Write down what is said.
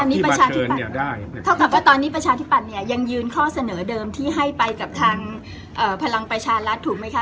เท่ากับว่าตอนนี้ประชาธิปัตย์ยังยืนข้อเสนอเดิมที่ให้ไปกับทางพลังประชารัฐถูกไหมคะ